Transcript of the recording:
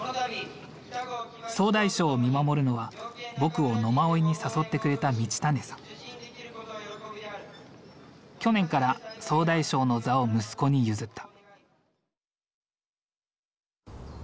総大将を見守るのは僕を野馬追に誘ってくれた去年から総大将の座を息子に譲った。